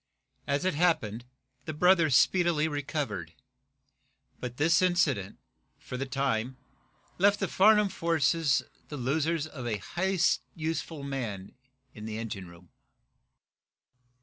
As it happened, the brother speedily recovered, but this incident for the time left the Farnum forces the losers of a highly useful man in the engine room.